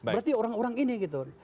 berarti orang orang ini gitu